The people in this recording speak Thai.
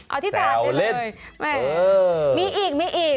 เอาที่ต่างกันเลยไม่มีอีก